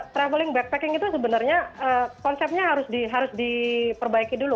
traveling backpacking itu sebenarnya konsepnya harus diperbaiki dulu